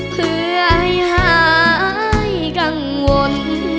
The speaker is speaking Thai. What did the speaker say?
เพื่อให้หายกังวล